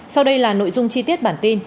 sau đây là nội dung chi tiết bản tin